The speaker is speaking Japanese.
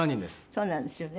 そうなんですよね。